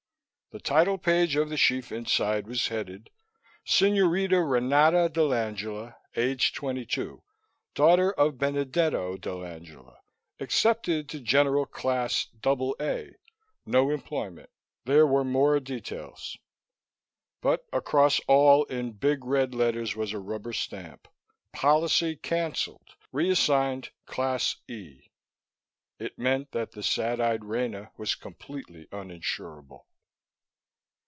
The title page of the sheaf inside was headed: Signorina Renata dell'Angela. Age 22; daughter of Benedetto dell'Angela; accepted to general Class AA; no employment. There were more details. But across all, in big red letters, was a rubber stamp: Policy Canceled. Reassigned Class E. It meant that the sad eyed Rena was completely uninsurable.